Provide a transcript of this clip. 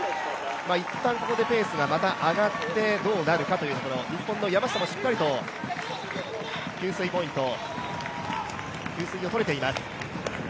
いったんここでペースがまた上がってどうなるかというところ、日本の山下もしっかりと給水ポイント、給水をとれています。